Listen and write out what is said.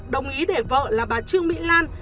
đồng ý để vợ là bà trương mỹ lan